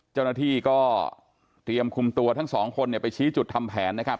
เจ้าหน้าที่ก็เตรียมคุมตัวทั้งสองคนเนี่ยไปชี้จุดทำแผนนะครับ